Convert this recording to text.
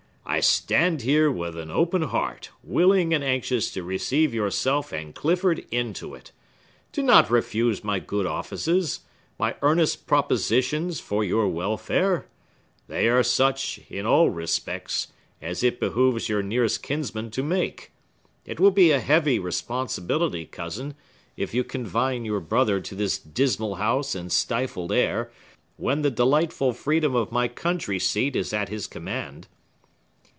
I stand here with an open heart, willing and anxious to receive yourself and Clifford into it. Do not refuse my good offices,—my earnest propositions for your welfare! They are such, in all respects, as it behooves your nearest kinsman to make. It will be a heavy responsibility, cousin, if you confine your brother to this dismal house and stifled air, when the delightful freedom of my country seat is at his command."